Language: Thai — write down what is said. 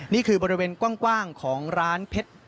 นี่คือบริเวณกว้างของร้านเพชร